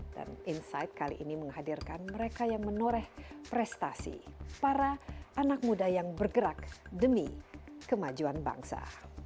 dan insight kali ini menghadirkan mereka yang menoreh prestasi para anak muda yang bergerak demi kemajuan bangsa